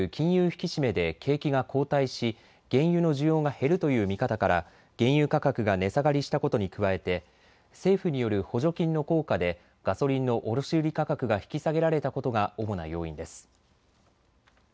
引き締めで景気が後退し原油の需要が減るという見方から原油価格が値下がりしたことに加えて政府による補助金の効果でガソリンの卸売価格が引き下げられたことが主な要因です。